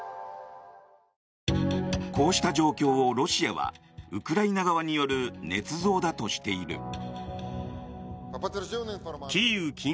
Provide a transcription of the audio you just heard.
こうした状況をロシアはウクライナ側によるねつ造だとしている。